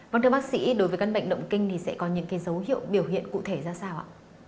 vâng thưa bác sĩ đối với căn bệnh động kinh thì sẽ có những dấu hiệu biểu hiện cụ thể ra sao ạ